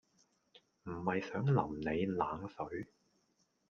唔係想淋你冷水